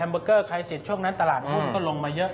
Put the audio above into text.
แฮมเบอร์เกอร์คลัยสิทธิ์ช่วงนั้นตลาดพุทธก็ลงมาเยอะ